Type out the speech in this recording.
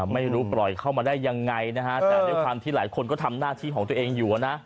ไม่รู้ปล่อยเข้ามาได้ยังไงนะฮะแต่ด้วยความที่หลายคนก็ทำหน้าที่ของตัวเองอยู่นะ